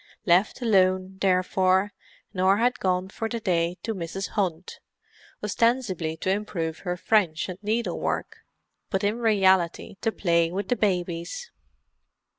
Left alone, therefore, Norah had gone for the day to Mrs. Hunt, ostensibly to improve her French and needlework, but in reality to play with the babies.